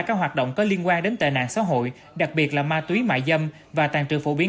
các hoạt động có liên quan đến tệ nạn xã hội đặc biệt là ma túy mại dâm và tàn trừ phổ biến